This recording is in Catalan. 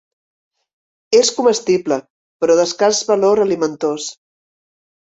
És comestible, però d'escàs valor alimentós.